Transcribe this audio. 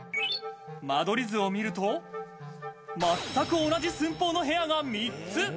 間取り図を見ると、まったく同じ寸法の部屋が３つ。